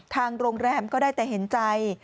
ทางโรงแรมก็ได้แต่เห็นใจ